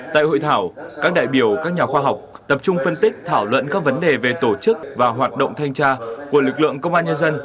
tại hội thảo các đại biểu các nhà khoa học tập trung phân tích thảo luận các vấn đề về tổ chức và hoạt động thanh tra của lực lượng công an nhân dân